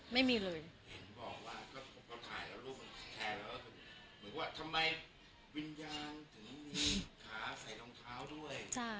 ไม่มีเลยบอกว่าก็ก็ถ่ายแล้วรูปแทนแล้วก็คือเหมือนว่าทำไมวิญญาณถึงมีขาใส่รองเท้าด้วยใช่